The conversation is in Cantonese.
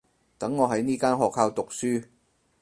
等我喺呢間學校讀書